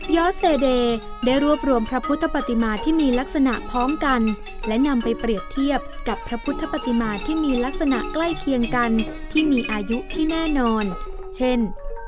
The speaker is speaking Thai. อสเตเดย์ได้รวบรวมพระพุทธปฏิมาที่มีลักษณะพร้อมกันและนำไปเปรียบเทียบกับพระพุทธปฏิมาที่มีลักษณะใกล้เคียงกันที่มีอายุที่แน่นอนเช่น